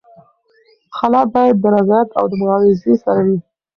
خلع باید د رضایت او معاوضې سره وي.